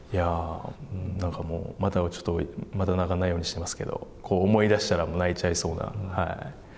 なんかもうまた泣かないようにしてますけど、思い出したら泣いちゃいそうな。